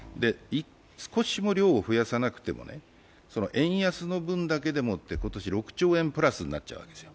少しも量を増やさなくても、円安の分だけでもって今年６兆円プラスになっちゃうわけです。